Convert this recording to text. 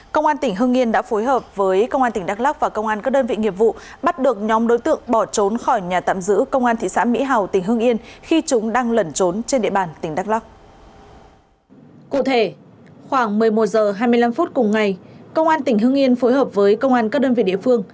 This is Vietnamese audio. công an tỉnh hương yên đã phối hợp với công an tỉnh đắk lóc và công an các đơn vị nghiệp vụ